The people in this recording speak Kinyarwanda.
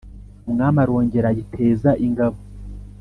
Umwami arongera ayiteza ingabo,